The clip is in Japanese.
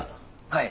はい。